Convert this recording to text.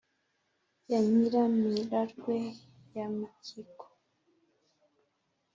ya nyiramirarwe ya mikiko